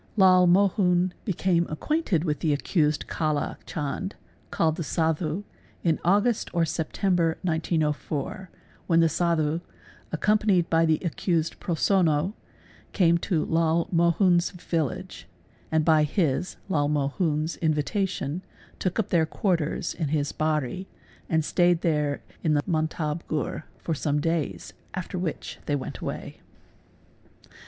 Lal Mohun became acquainted with 'GENERAL CONSIDERATIONS 381 the accused Kala Chand, called the Sadhu, in August or September 1904 when the Sadhu, accompanied by the accused Prosonno, came to Lal Mohun's village, and by his (Lal Mohun's) invitation took up their quarters in his bart. and stayed there in the mantab ghur for some days, after which they went away.